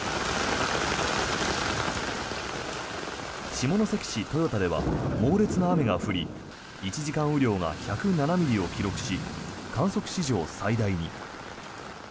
下関市豊田では猛烈な雨が降り１時間雨量が１０７ミリを記録し観測史上最大に。